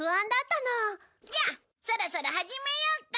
じゃあそろそろ始めようか。